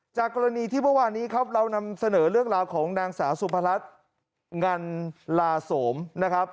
จากกรณีที่เมื่อวานนี้ครับเรานำเสนอเรื่องราวของนางสาวสุพรัชงันลาโสมนะครับ